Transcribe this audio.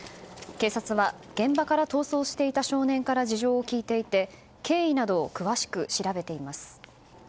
警察は現場から逃走していた少年から事情を聴いていて経緯などを詳しく調べています。